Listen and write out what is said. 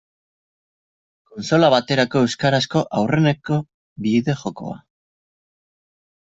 Kontsola baterako euskarazko aurreneko bideo-jokoa.